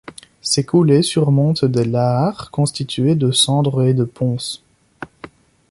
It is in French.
Ces coulées surmontent des lahars constitués de cendres et de ponces.